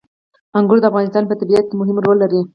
انګور د افغانستان په طبیعت کې مهم رول لري.